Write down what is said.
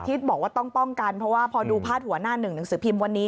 ที่บอกว่าต้องป้องกันเพราะว่าพอดูพาดหัวหน้าหนึ่งหนังสือพิมพ์วันนี้